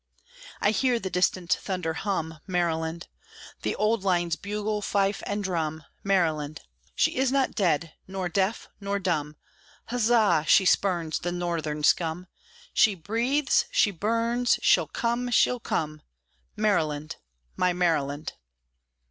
I hear the distant thunder hum, Maryland! The Old Line's bugle, fife, and drum, Maryland! She is not dead, nor deaf, nor dumb; Huzza! she spurns the Northern scum! She breathes! She burns! She'll come! She'll come! Maryland, my Maryland!